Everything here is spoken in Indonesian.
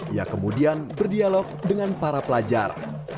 ia kemudian berdialog dengan para pelajar